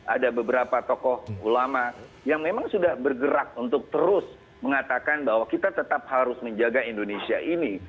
ada beberapa tokoh ulama yang memang sudah bergerak untuk terus mengatakan bahwa kita tetap harus menjaga indonesia ini